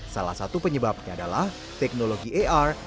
salah satu penyebabnya adalah teknologi ar